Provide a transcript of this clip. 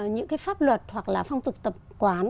những pháp luật hoặc là phong tục tập quán